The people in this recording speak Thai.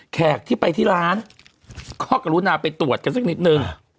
แขกที่ไปที่ร้านข้อกรุณาไปตรวจกันสักนิดนึง